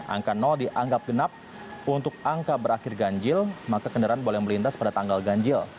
angka dianggap genap untuk angka berakhir ganjil maka kendaraan boleh melintas pada tanggal ganjil